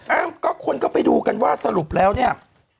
อ่ะก็คนก็ไปดูกันว่าสรุปแล้วเนี่ย